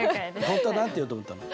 本当は何て言おうと思ったの？